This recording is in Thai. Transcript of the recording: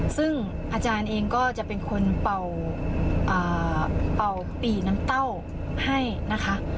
ซึ่งอาจารย์เองก็จะเป็นคนเป่าปีน้ำเต้าให้นะคะ